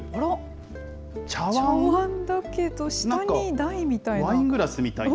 茶わんだけど、下に台みたいな。